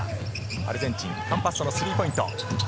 アルゼンチン、カンパッソのスリーポイント。